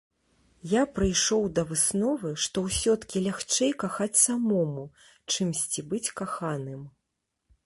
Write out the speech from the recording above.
Я прыйшоў да высновы, што ўсё-ткі лягчэй кахаць самому, чымсьці быць каханым.